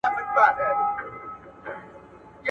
که مشورې ونکړئ نو د صميميت ژوند به ونلرئ.